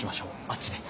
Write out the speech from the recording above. あっちで。